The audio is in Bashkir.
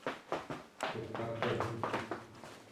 Туҡтап тор.